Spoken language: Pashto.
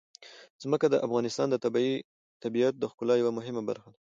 ځمکه د افغانستان د طبیعت د ښکلا یوه مهمه برخه ده.